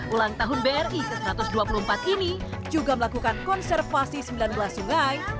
ulang tahun bri ke satu ratus dua puluh empat ini juga melakukan konservasi sembilan belas sungai